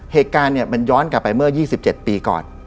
เหตุการณ์มันย้อนกลับไปเมื่อ๒๗ปีก่อน